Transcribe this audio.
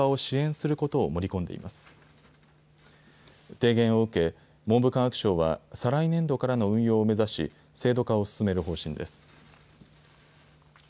提言を受け文部科学省は再来年度からの運用を目指し制度化を進める方針です。